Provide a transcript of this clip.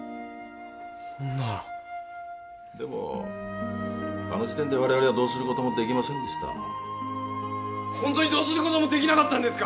そんなでもあの時点で我々はどうすることもできませんでしたほんとにできなかったんですか？